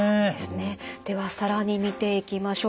では更に見ていきましょう。